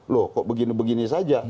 loh kok begini begini saja